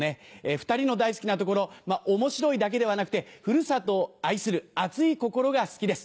２人の大好きなところ面白いだけではなくてふるさとを愛する熱い心が好きです。